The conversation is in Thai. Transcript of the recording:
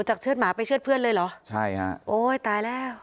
เชือดหมาไปเชื่อดเพื่อนเลยเหรอใช่ฮะโอ้ยตายแล้ว